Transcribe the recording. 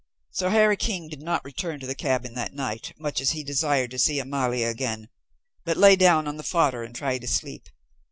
So Harry King did not return to the cabin that night, much as he desired to see Amalia again, but lay down on the fodder and tried to sleep.